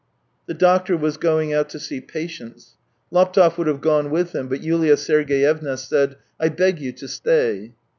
The doctor was going out to see patients. Laptev would have gone with him, but Yulia Sergeyevna said: " I beg you to stay."